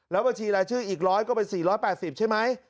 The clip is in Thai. บัญชีรายชื่ออีก๑๐๐ก็เป็น๔๘๐ใช่ไหม